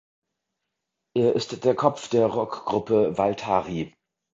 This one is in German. Er ist der Kopf der Rockgruppe Waltari.